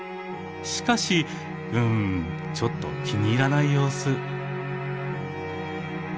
しかしうんちょっと気に入らない様子。